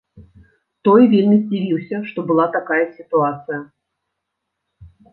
Той вельмі здзівіўся, што была такая сітуацыя.